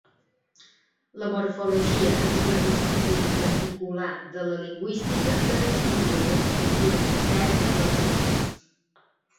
La morfologia és una disciplina particular de la lingüística que estudia l'estructura interna dels mots.